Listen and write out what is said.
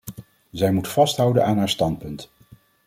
Zij moet vasthouden aan haar standpunt.